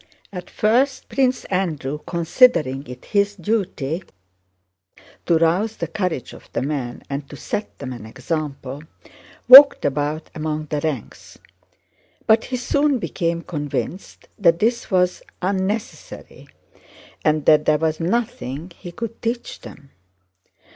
At first Prince Andrew, considering it his duty to rouse the courage of the men and to set them an example, walked about among the ranks, but he soon became convinced that this was unnecessary and that there was nothing he could teach them.